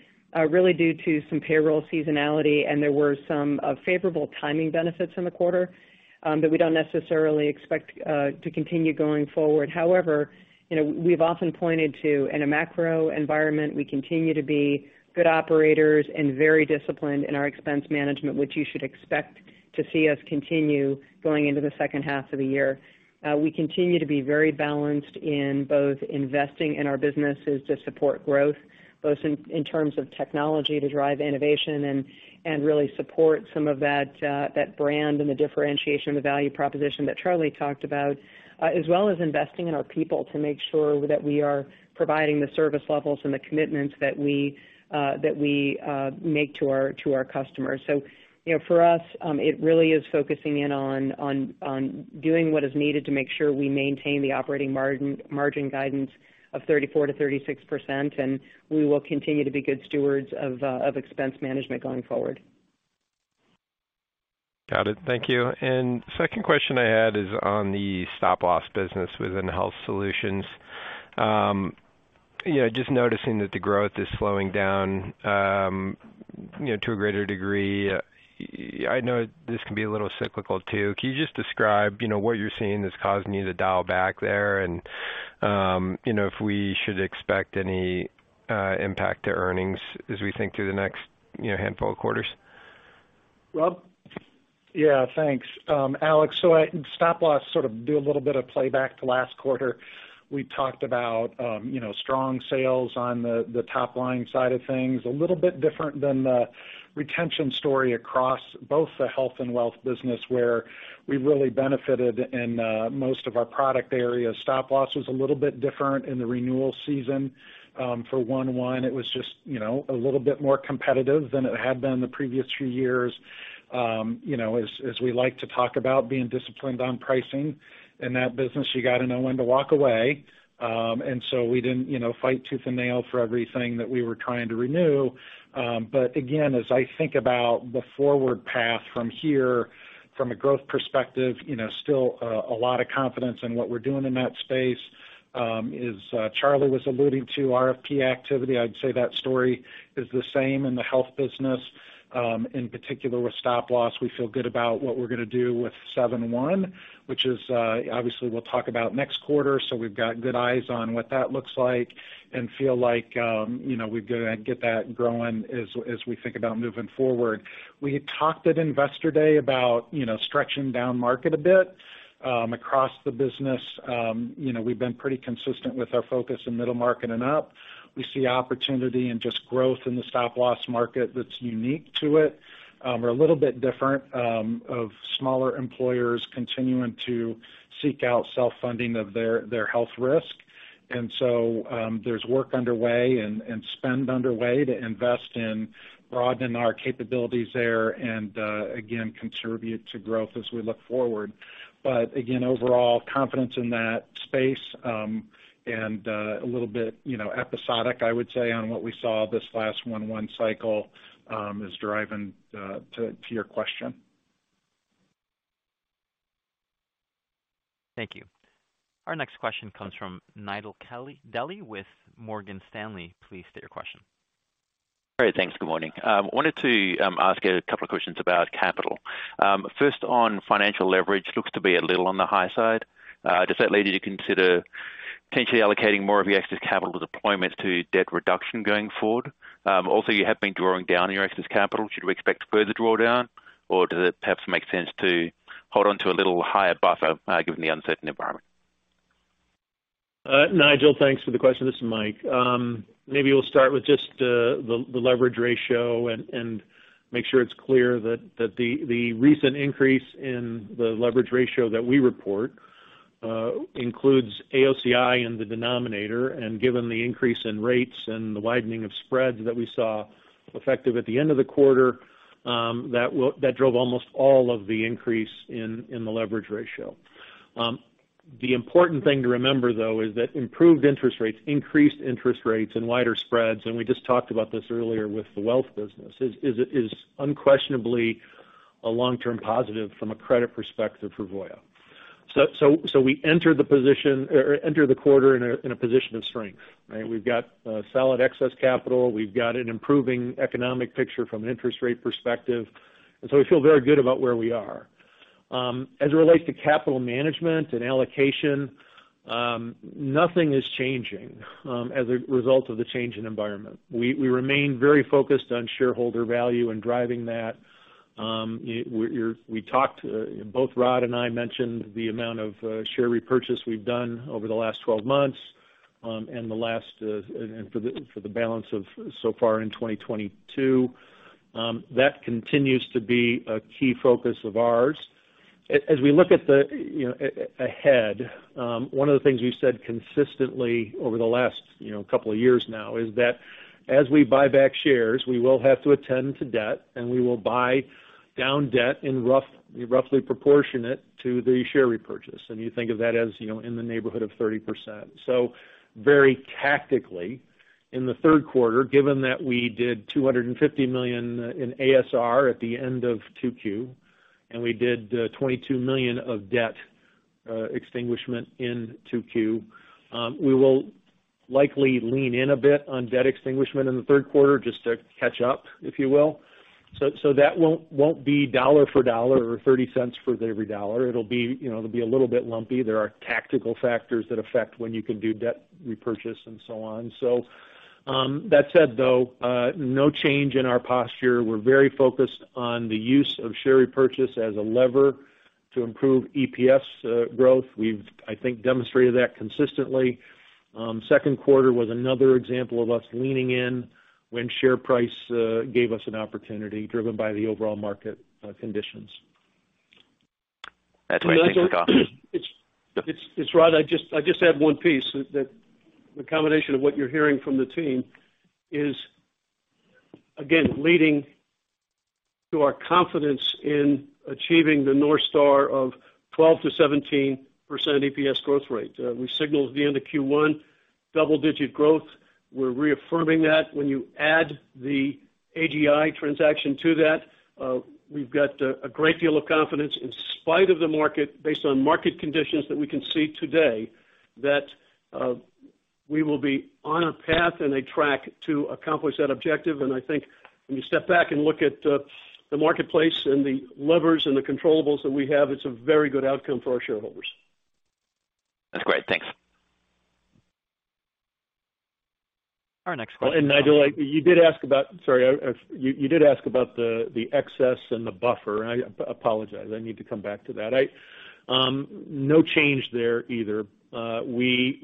really due to some payroll seasonality, and there were some favorable timing benefits in the quarter that we don't necessarily expect to continue going forward. However, you know, we've often pointed to in a macro environment, we continue to be good operators and very disciplined in our expense management, which you should expect to see us continue going into the second half of the year. We continue to be very balanced in both investing in our businesses to support growth, both in terms of technology to drive innovation and really support some of that brand and the differentiation of the value proposition that Charlie talked about, as well as investing in our people to make sure that we are providing the service levels and the commitments that we make to our customers. You know, for us, it really is focusing in on doing what is needed to make sure we maintain the operating margin guidance of 34%-36%, and we will continue to be good stewards of expense management going forward. Got it. Thank you. Second question I had is on the Stop Loss business within Health Solutions. You know, just noticing that the growth is slowing down, you know, to a greater degree. I know this can be a little cyclical too. Can you just describe, you know, what you're seeing that's causing you to dial back there? You know, if we should expect any impact to earnings as we think through the next, you know, handful of quarters? Rob? Yeah. Thanks, Alex. Stop Loss sort of do a little bit of playback to last quarter. We talked about, you know, strong sales on the top line side of things, a little bit different than the retention story across both the Health and Wealth business, where we really benefited in most of our product areas. Stop Loss was a little bit different in the renewal season. For one, it was just, you know, a little bit more competitive than it had been the previous few years. You know, as we like to talk about being disciplined on pricing. In that business, you got to know when to walk away. We didn't, you know, fight tooth and nail for everything that we were trying to renew. Again, as I think about the forward path from here from a growth perspective, you know, still a lot of confidence in what we're doing in that space. As Charlie was alluding to RFP activity, I'd say that story is the same in the Health business. In particular with Stop Loss, we feel good about what we're going to do with 7-1, which is obviously we'll talk about next quarter. So we've got good eyes on what that looks like and feel like, you know, we're gonna get that growing as we think about moving forward. We talked at Investor Day about, you know, stretching down market a bit, across the business. You know, we've been pretty consistent with our focus in middle market and up. We see opportunity and just growth in the Stop Loss market that's unique to it. We're a little bit different of smaller employers continuing to seek out self-funding of their health risk. There's work underway and spend underway to invest in broadening our capabilities there and again, contribute to growth as we look forward. Again, overall confidence in that space and a little bit, you know, episodic, I would say, on what we saw this last one-year cycle is driving to your question. Thank you. Our next question comes from Nigel Dally with Morgan Stanley. Please state your question. Great. Thanks. Good morning. Wanted to ask a couple of questions about capital. First on financial leverage, looks to be a little on the high side. Does that lead you to consider potentially allocating more of your excess capital deployments to debt reduction going forward? Also, you have been drawing down your excess capital. Should we expect further drawdown, or does it perhaps make sense to hold on to a little higher buffer, given the uncertain environment? Nigel, thanks for the question. This is Mike. Maybe we'll start with just the leverage ratio and make sure it's clear that the recent increase in the leverage ratio that we report includes AOCI in the denominator. Given the increase in rates and the widening of spreads that we saw effective at the end of the quarter, that drove almost all of the increase in the leverage ratio. The important thing to remember, though, is that improved interest rates, increased interest rates and wider spreads, and we just talked about this earlier with the Wealth business, is unquestionably a long-term positive from a credit perspective for Voya. We enter the quarter in a position of strength, right? We've got solid excess capital. We've got an improving economic picture from an interest rate perspective, and we feel very good about where we are. As it relates to capital management and allocation, nothing is changing as a result of the change in environment. We remain very focused on shareholder value and driving that. We're, we talked, both Rod and I mentioned the amount of share repurchase we've done over the last 12 months, and for the balance of so far in 2022. That continues to be a key focus of ours. As we look at the, you know, ahead, one of the things we've said consistently over the last, you know, couple of years now is that as we buy back shares, we will have to attend to debt, and we will buy down debt in roughly proportionate to the share repurchase. You think of that as, you know, in the neighborhood of 30%. Very tactically, in the third quarter, given that we did $250 million in ASR at the end of 2Q, and we did $22 million of debt extinguishment in 2Q, we will likely lean in a bit on debt extinguishment in the third quarter just to catch up, if you will. So that won't be dollar for dollar or $0.30 for every dollar. It'll be, you know, it'll be a little bit lumpy. There are tactical factors that affect when you can do debt repurchase and so on. That said, though, no change in our posture. We're very focused on the use of share repurchase as a lever to improve EPS growth. We've, I think, demonstrated that consistently. Second quarter was another example of us leaning in when share price gave us an opportunity driven by the overall market conditions. That's right. Thanks, Mike. It's Rod. I just add one piece that the combination of what you're hearing from the team is, again, leading to our confidence in achieving the North Star of 12%-17% EPS growth rate. We signaled at the end of Q1 double-digit growth. We're reaffirming that when you add the AGI transaction to that, we've got a great deal of confidence in spite of the market based on market conditions that we can see today, that we will be on a path and a track to accomplish that objective. I think when you step back and look at the marketplace and the levers and the controllables that we have, it's a very good outcome for our shareholders. That's great. Thanks. Our next question. Nigel, you did ask about the excess and the buffer. I apologize. I need to come back to that. No change there either. We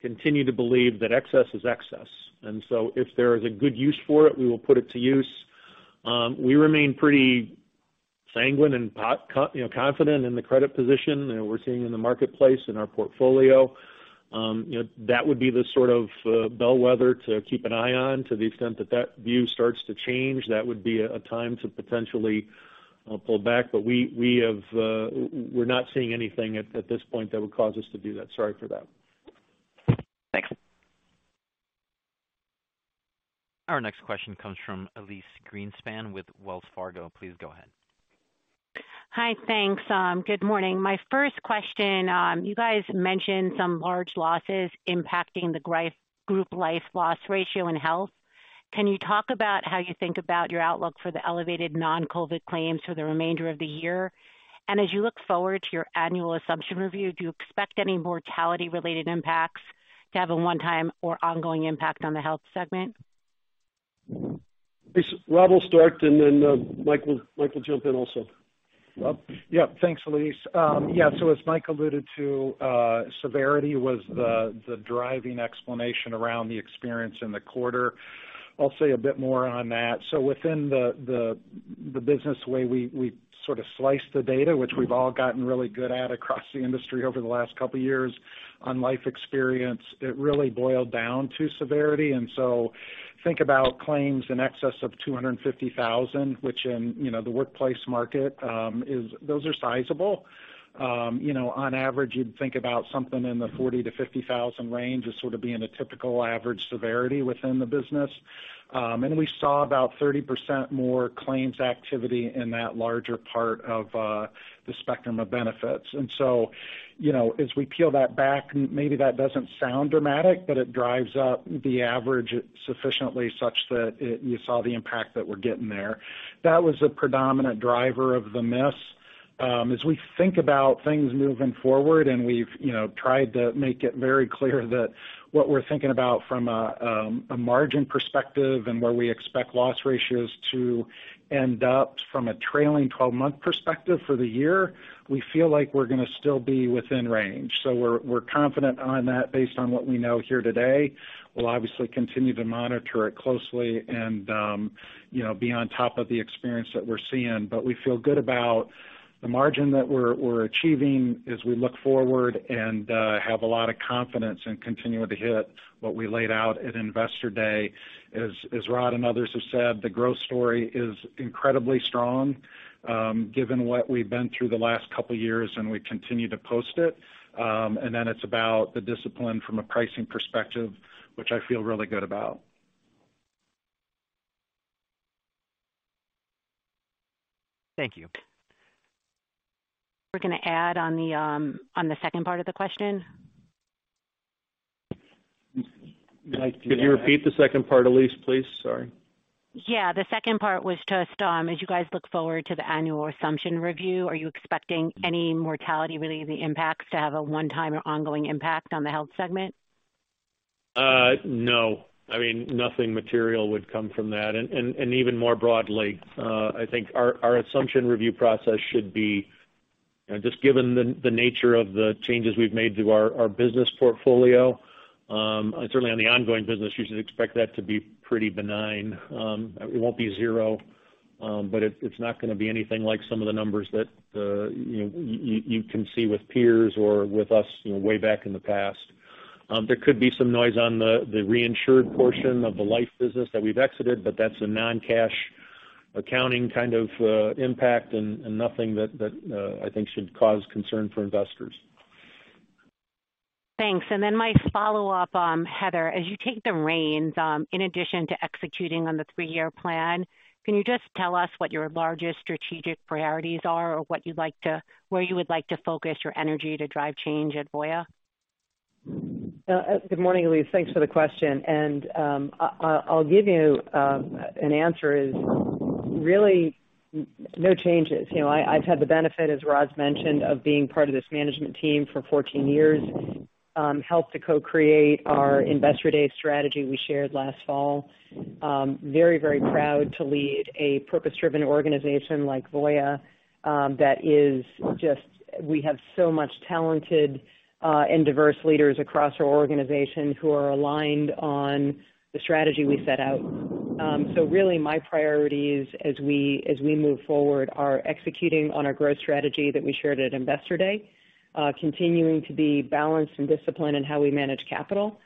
continue to believe that excess is excess, and so if there is a good use for it, we will put it to use. We remain pretty sanguine and you know, confident in the credit position that we're seeing in the marketplace in our portfolio. You know, that would be the sort of bellwether to keep an eye on. To the extent that view starts to change, that would be a time to potentially pull back. We're not seeing anything at this point that would cause us to do that. Sorry for that. Thanks. Our next question comes from Elyse Greenspan with Wells Fargo. Please go ahead. Hi. Thanks. Good morning. My first question, you guys mentioned some large losses impacting the group Life Loss ratio in health. Can you talk about how you think about your outlook for the elevated non-COVID claims for the remainder of the year? As you look forward to your annual assumption review, do you expect any mortality-related impacts to have a one-time or ongoing impact on the Health segment? Elyse, Rob will start, and then, Mike will jump in also. Well, yeah, thanks, Elyse. Yeah, so as Mike alluded to, severity was the driving explanation around the experience in the quarter. I'll say a bit more on that. Within the business, we sort of slice the data, which we've all gotten really good at across the industry over the last couple of years on life experience. It really boiled down to severity. Think about claims in excess of $250,000, which, you know, in the workplace market, are sizable. You know, on average, you'd think about something in the $40,000-$50,000 range as sort of being a typical average severity within the business. We saw about 30% more claims activity in that larger part of the spectrum of benefits. You know, as we peel that back, maybe that doesn't sound dramatic, but it drives up the average sufficiently such that it, you saw the impact that we're getting there. That was a predominant driver of the miss. As we think about things moving forward, and we've, you know, tried to make it very clear that what we're thinking about from a margin perspective and where we expect loss ratios to end up from a trailing 12-month perspective for the year, we feel like we're gonna still be within range. We're confident on that based on what we know here today. We'll obviously continue to monitor it closely and, you know, be on top of the experience that we're seeing. We feel good about the margin that we're achieving as we look forward and have a lot of confidence in continuing to hit what we laid out at Investor Day. As Rod and others have said, the growth story is incredibly strong, given what we've been through the last couple years, and we continue to post it. It's about the discipline from a pricing perspective, which I feel really good about. Thank you. We're gonna add on the second part of the question. Could you repeat the second part, Elyse, please? Sorry. Yeah, the second part was just, as you guys look forward to the annual assumption review, are you expecting any mortality-related impacts to have a one-time or ongoing impact on the Health segment? No. I mean, nothing material would come from that. Even more broadly, I think our assumption review process should be just given the nature of the changes we've made to our business portfolio, certainly on the ongoing business, you should expect that to be pretty benign. It won't be zero, but it's not gonna be anything like some of the numbers that you can see with peers or with us way back in the past. There could be some noise on the reinsured portion of the Life business that we've exited, but that's a non-cash accounting kind of impact and nothing that I think should cause concern for investors. Thanks. My follow-up, Heather, as you take the reins, in addition to executing on the three-year plan, can you just tell us what your largest strategic priorities are or where you would like to focus your energy to drive change at Voya? Good morning, Elyse. Thanks for the question, and I'll give you an answer is really no changes. You know, I've had the benefit, as Rod mentioned, of being part of this management team for 14 years, helped to co-create our Investor Day strategy we shared last fall. Very, very proud to lead a purpose-driven organization like Voya, that is just we have so much talented and diverse leaders across our organization who are aligned on the strategy we set out. Really my priorities as we move forward are executing on our growth strategy that we shared at Investor Day, continuing to be balanced and disciplined in how we manage capital,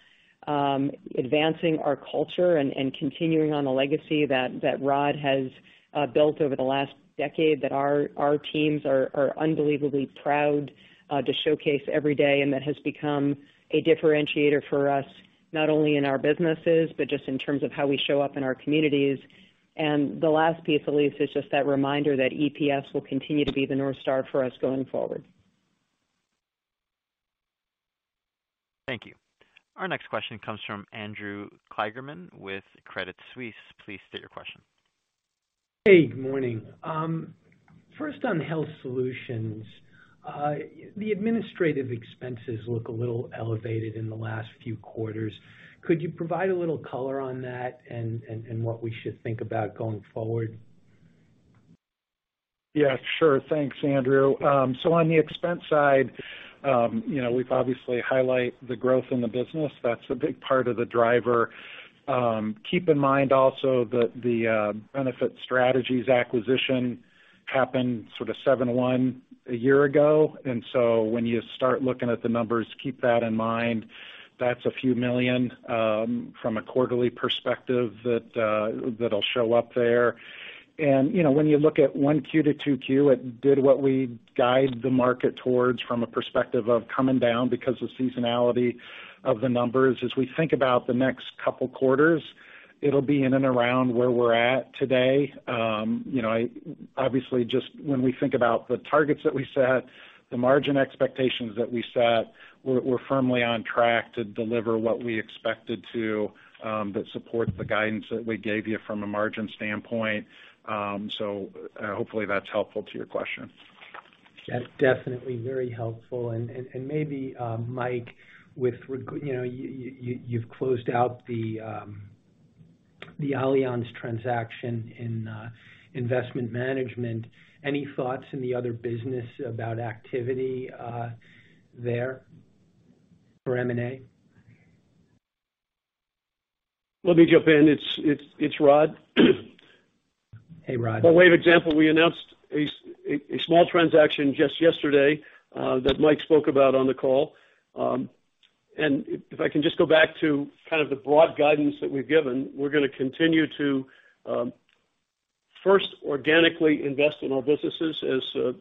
advancing our culture and continuing on a legacy that Rod has built over the last decade that our teams are unbelievably proud to showcase every day. That has become a differentiator for us, not only in our businesses, but just in terms of how we show up in our communities. The last piece, Elyse, is just that reminder that EPS will continue to be the North Star for us going forward. Thank you. Our next question comes from Andrew Kligerman with Credit Suisse. Please state your question. Hey, good morning. First on Health Solutions, the administrative expenses look a little elevated in the last few quarters. Could you provide a little color on that and what we should think about going forward? Yeah, sure. Thanks, Andrew. So on the expense side, you know, we've obviously highlight the growth in the business. That's a big part of the driver. Keep in mind also the Benefit Strategies acquisition happened sort of 7/1 a year ago. When you start looking at the numbers, keep that in mind. That's a few million from a quarterly perspective that'll show up there. You know, when you look at 1Q to 2Q, it did what we guide the market towards from a perspective of coming down because of seasonality of the numbers. As we think about the next couple quarters, it'll be in and around where we're at today. You know, obviously, just when we think about the targets that we set, the margin expectations that we set, we're firmly on track to deliver what we expected to, that support the guidance that we gave you from a margin standpoint. So hopefully that's helpful to your question. That's definitely very helpful. Maybe Mike, you know, you've closed out the Allianz transaction in Investment Management. Any thoughts in the other business about activity there for M&A? Let me jump in. It's Rod. Hey, Rod. By way of example, we announced a small transaction just yesterday, that Mike spoke about on the call. If I can just go back to kind of the broad guidance that we've given, we're gonna continue to first organically invest in our businesses as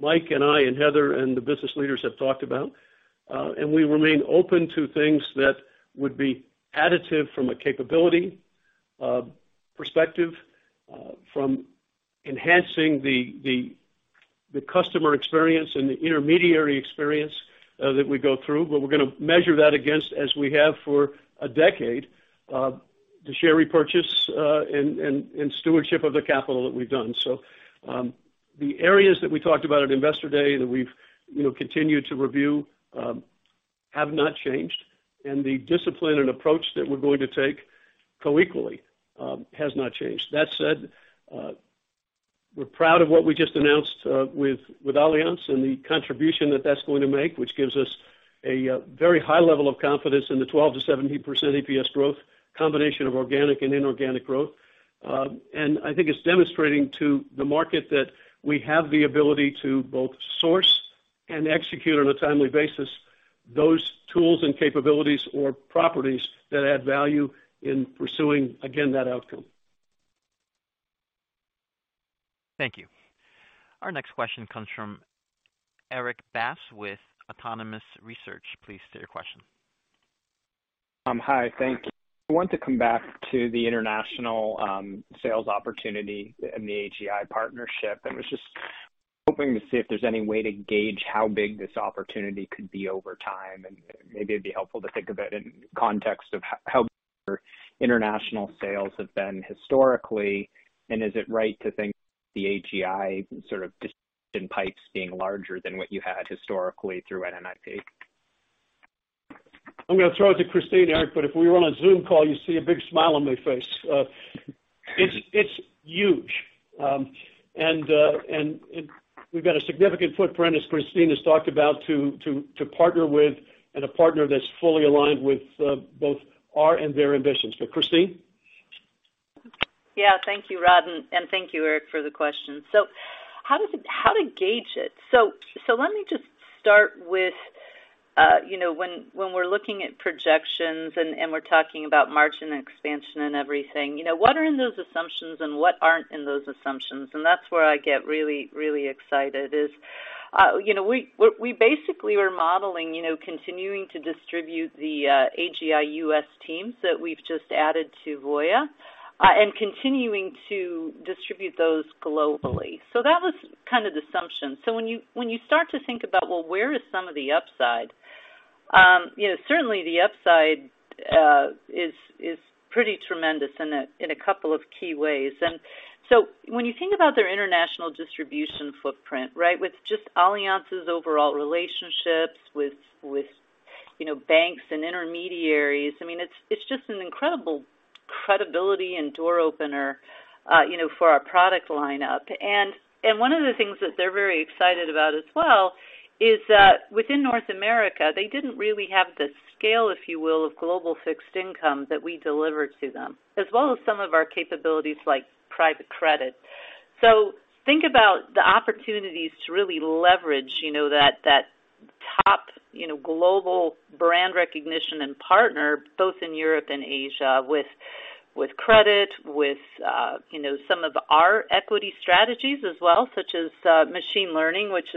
Mike and I and Heather and the business leaders have talked about, and we remain open to things that would be additive from a capability perspective, from enhancing the customer experience and the intermediary experience that we go through. We're gonna measure that against, as we have for a decade, the share repurchase, and stewardship of the capital that we've done. The areas that we talked about at Investor Day that we've, you know, continued to review have not changed. The discipline and approach that we're going to take equally has not changed. That said, we're proud of what we just announced with Allianz and the contribution that that's going to make, which gives us a very high level of confidence in the 12%-17% EPS growth, combination of organic and inorganic growth. I think it's demonstrating to the market that we have the ability to both source and execute on a timely basis those tools and capabilities or properties that add value in pursuing, again, that outcome. Thank you. Our next question comes from Erik Bass with Autonomous Research. Please state your question. Hi. Thank you. I want to come back to the international sales opportunity and the AGI partnership. I was hoping to see if there's any way to gauge how big this opportunity could be over time, and maybe it'd be helpful to think of it in context of how international sales have been historically, and is it right to think the AGI sort of distribution pipes being larger than what you had historically through NNIP? I'm gonna throw it to Christine, Erik, but if we were on a Zoom call, you'd see a big smile on my face. It's huge. We've got a significant footprint, as Christine has talked about to partner with and a partner that's fully aligned with both our and their ambitions. Christine? Yeah. Thank you, Rod, and thank you, Erik, for the question. How to gauge it? Let me just start with, you know, when we're looking at projections and we're talking about margin expansion and everything, you know, what are in those assumptions and what aren't in those assumptions? That's where I get really excited is, you know, we're basically modeling, you know, continuing to distribute the AGI U.S. teams that we've just added to Voya, and continuing to distribute those globally. That was kind of the assumption. When you start to think about, well, where is some of the upside? You know, certainly the upside is pretty tremendous in a couple of key ways. When you think about their international distribution footprint, right? With just Allianz's overall relationships with, you know, banks and intermediaries, I mean, it's just an incredible credibility and door opener, you know, for our product lineup. One of the things that they're very excited about as well is that within North America, they didn't really have the scale, if you will, of global fixed income that we delivered to them, as well as some of our capabilities like private credit. Think about the opportunities to really leverage, you know, that top, you know, global brand recognition and partner both in Europe and Asia with credit, you know, some of our equity strategies as well, such as machine learning, which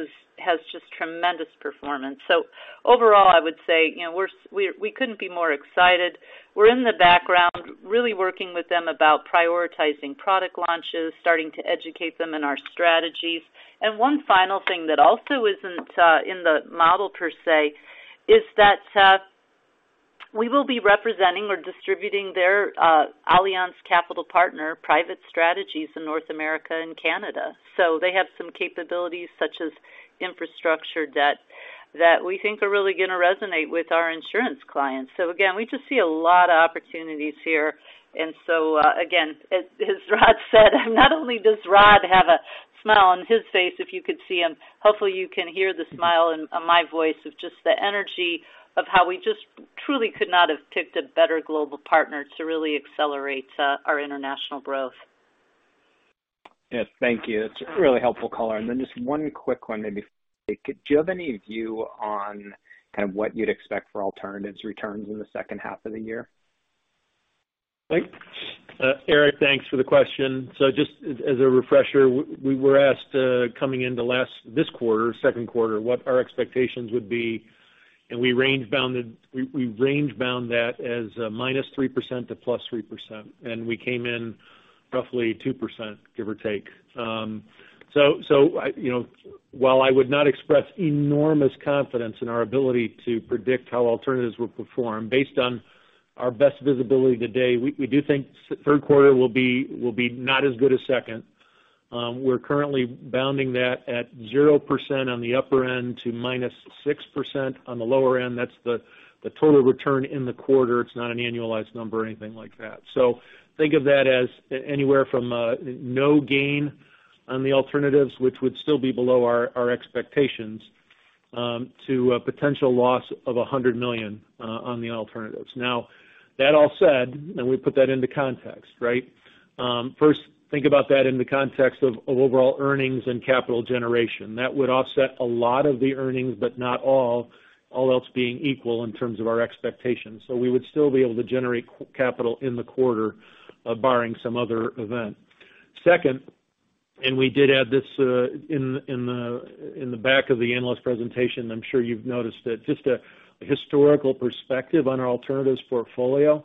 has just tremendous performance. Overall, I would say, you know, we couldn't be more excited. We're in the background, really working with them about prioritizing product launches, starting to educate them in our strategies. One final thing that also isn't in the model per se is that we will be representing or distributing their Allianz Capital Partner private strategies in North America and Canada. They have some capabilities such as infrastructure debt that we think are really gonna resonate with our insurance clients. Again, we just see a lot of opportunities here. And so again, as Rod said, not only does Rod have a smile on his face if you could see him, hopefully you can hear the smile in my voice of just the energy of how we just truly could not have picked a better global partner to really accelerate our international growth. Yes. Thank you. It's a really helpful color. Just one quick one maybe. Do you have any view on kind of what you'd expect for alternatives returns in the second half of the year? Erik, thanks for the question. Just as a refresher, we were asked, coming into this quarter, second quarter, what our expectations would be, and we range-bound that as -3% to +3%, and we came in roughly 2%, give or take. You know, while I would not express enormous confidence in our ability to predict how alternatives will perform. Based on our best visibility today, we do think third quarter will be not as good as second. We're currently bounding that at 0% on the upper end to -6% on the lower end. That's the total return in the quarter. It's not an annualized number or anything like that. Think of that as anywhere from no gain on the alternatives, which would still be below our expectations, to a potential loss of $100 million on the alternatives. Now, that all said, and we put that into context, right? First, think about that in the context of overall earnings and capital generation. That would offset a lot of the earnings, but not all else being equal in terms of our expectations. We would still be able to generate capital in the quarter, barring some other event. Second, and we did add this, in the back of the analyst presentation. I'm sure you've noticed it. Just a historical perspective on our alternatives portfolio.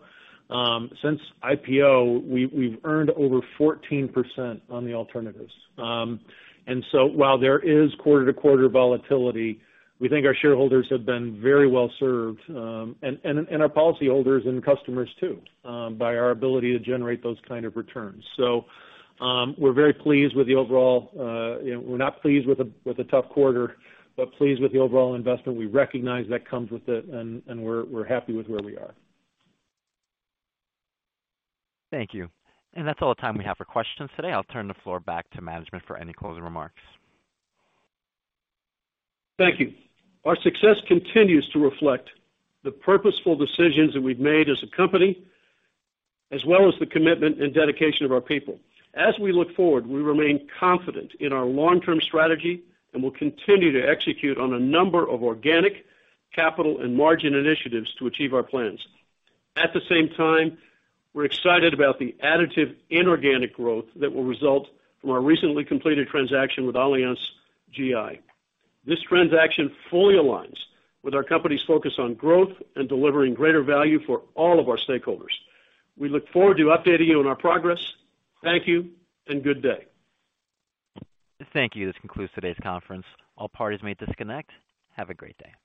Since IPO, we've earned over 14% on the alternatives. While there is quarter-to-quarter volatility, we think our shareholders have been very well served, and our policyholders and customers too, by our ability to generate those kind of returns. We're very pleased with the overall. You know, we're not pleased with a tough quarter, but pleased with the overall investment. We recognize that comes with it and we're happy with where we are. Thank you. That's all the time we have for questions today. I'll turn the floor back to management for any closing remarks. Thank you. Our success continues to reflect the purposeful decisions that we've made as a company, as well as the commitment and dedication of our people. As we look forward, we remain confident in our long-term strategy and will continue to execute on a number of organic capital and margin initiatives to achieve our plans. At the same time, we're excited about the additive inorganic growth that will result from our recently completed transaction with AllianzGI. This transaction fully aligns with our company's focus on growth and delivering greater value for all of our stakeholders. We look forward to updating you on our progress. Thank you and good day. Thank you. This concludes today's conference. All parties may disconnect. Have a great day.